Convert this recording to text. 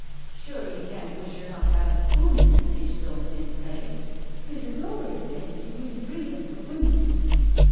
" Sure, you can't wish *er not to *ave a spoon in this dish though| Miss' Clegg? 'Tis a glorious thing to win freedom for women!